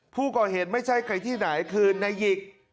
ผู้ก่อเหตุไม่ใช่ใครที่ไหนคือนายหยิก